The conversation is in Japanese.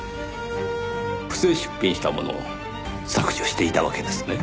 不正出品したものを削除していたわけですね。